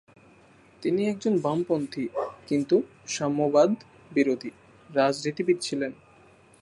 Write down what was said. তিনি একজন বামপন্থী, কিন্তু সাম্যবাদ-বিরোধী, রাজনীতিবিদ ছিলেন।